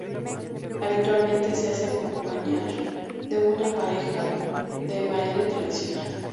Habitualmente, se hace acompañar de una pareja de baile tradicional.